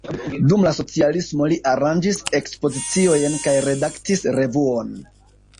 Dum la socialismo li aranĝis ekspoziciojn kaj redaktis revuon.